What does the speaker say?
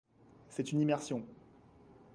C'est une immersion.